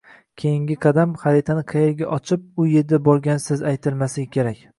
Keyingi qadam "xaritani qaerga ochib, u erga borgansiz" © aytilmasligi kerak